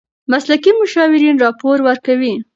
مسلکي مشاورین راپور ورکوي.